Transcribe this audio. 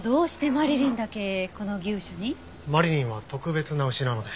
マリリンは特別な牛なので。